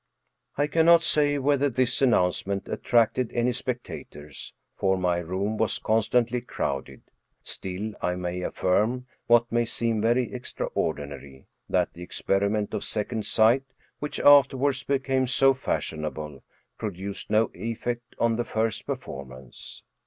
I cannot say whether this announcement attracted any spectators, for my room was constantly crowded, still I may affirm, what may seem very extraordinary, that the experiment of second sight, which afterwards became so fashionable, produced no eflFect on the first performance.